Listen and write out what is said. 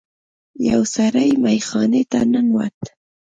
یو سړی میخانې ته ننوت.